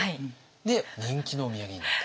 で人気のお土産になったと。